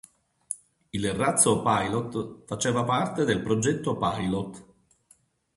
Il razzo Pilot faceva parte del Progetto Pilot.